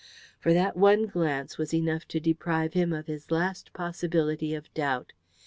For that one glance was enough to deprive him of his last possibility of doubt.